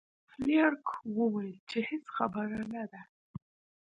فلیریک وویل چې هیڅ خبره نه ده.